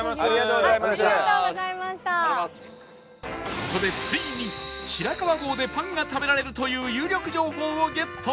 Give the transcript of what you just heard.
ここでついに白川郷でパンが食べられるという有力情報をゲット